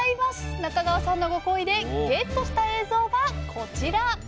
中川さんのご厚意でゲットした映像がこちら！